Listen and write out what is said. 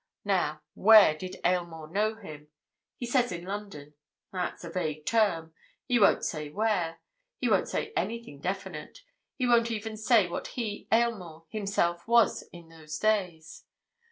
Now, where did Aylmore know him? He says in London. That's a vague term. He won't say where—he won't say anything definite—he won't even say what he, Aylmore, himself was in those days.